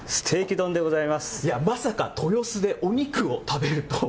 まさか、豊洲でお肉を食べるとは。